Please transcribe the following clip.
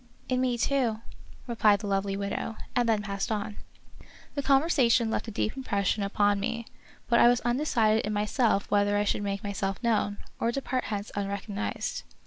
" In me, too," replied the lovely widow, and then passed on. The conversation left a deep impression upon me, but I was undecided in myself whether I should make myself known, or depart hence unrecognized.